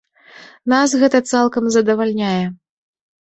Нас гэта цалкам задавальняе.